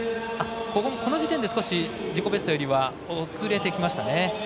この時点で少し自己ベストよりは遅れてきました。